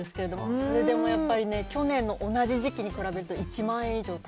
それでもやっぱりね、去年の同じ時期に比べると１万円以上高い。